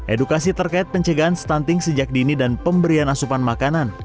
edukasi terkait pencegahan stunting sejak dini dan pemberian asupan makanan